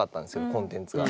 コンテンツが。